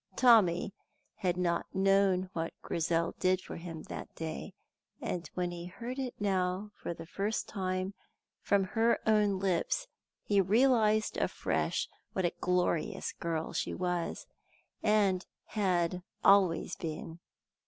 Tommy had not known what Grizel did for him that day, and when he heard it now for the first time from her own lips, he realized afresh what a glorious girl she was and had always been.